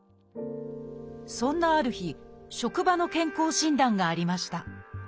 そんなある日職場の健康診断がありました。